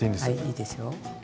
はいいいですよ。